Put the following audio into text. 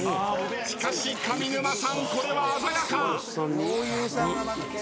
しかし上沼さんこれは鮮やか！